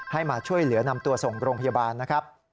มาช่วยเหลือนำตัวส่งโรงพยาบาลนะครับ